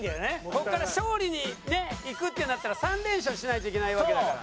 ここから勝利にねいくってなったら３連勝しないといけないわけだから。